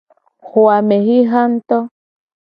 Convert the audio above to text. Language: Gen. Xo a me xixa nguto.